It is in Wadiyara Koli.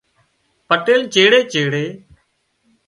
پٽيل چيڙي چيڙي